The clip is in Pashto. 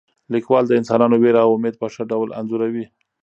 لیکوال د انسانانو ویره او امید په ښه ډول انځوروي.